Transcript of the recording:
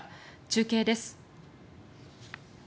中継です。